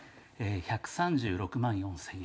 １３６万４０００円。